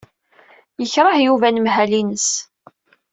Yekṛeh Yuba anemhal-ines.